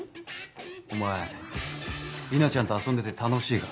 お前莉奈ちゃんと遊んでて楽しいか？